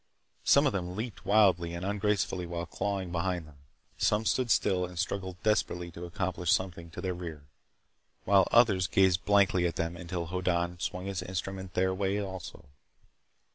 Some of them leaped wildly and ungracefully while clawing behind them. Some stood still and struggled desperately to accomplish something to their rear, while others gazed blankly at them until Hoddan swung his instrument their way, also.